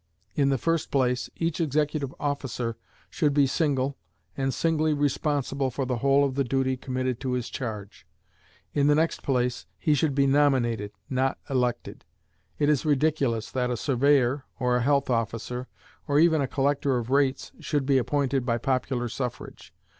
In the first place, each executive officer should be single, and singly responsible for the whole of the duty committed to his charge. In the next place, he should be nominated, not elected. It is ridiculous that a surveyor, or a health officer, or even a collector of rates should be appointed by popular suffrage.